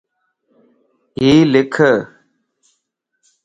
ھيَ لک